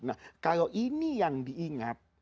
nah kalau ini yang diingat